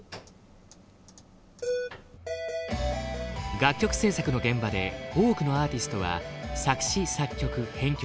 楽曲制作の現場で多くのアーティストは作詞作曲編曲